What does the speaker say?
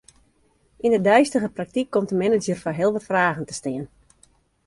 Yn 'e deistige praktyk komt de manager foar heel wat fragen te stean.